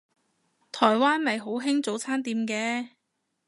台灣咪好興早餐店嘅